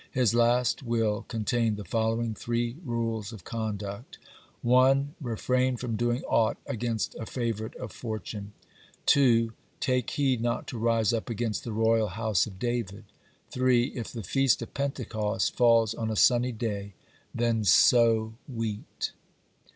His last will contained the following three rules of conduct: (71) 1. Refrain from doing aught against a favorite of fortune. 2. Take heed not to rise up against the royal house of David. 3. If the Feast of Pentecost falls on a sunny day, then sow wheat.